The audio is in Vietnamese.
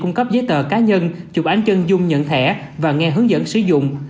cung cấp giấy tờ cá nhân chụp ảnh chân dung nhận thẻ và nghe hướng dẫn sử dụng